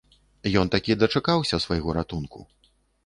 Ён такі дачакаўся свайго ратунку.